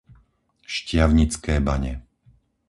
Štiavnické Bane